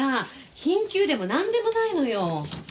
緊急でもなんでもないのよ。